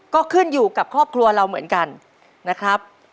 ก็ขึ้นอยู่กับครอบครัวเราเหมือนกันนะครับ